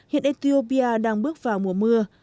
hiện ethiopia đang bước vào mùa mưa